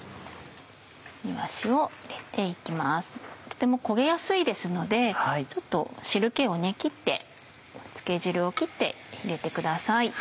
とても焦げやすいですのでちょっと汁気を切って漬け汁を切って入れてください。